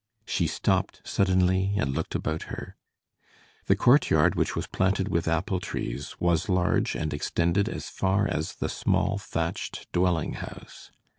She stopped suddenly and looked about her. The courtyard, which was planted with apple trees, was large and extended as far as the small thatched dwelling house.